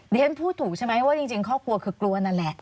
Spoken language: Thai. เรียนพูดถูกใช่ไหมว่าจริงครอบครัวคือกลัวนั่นแหละ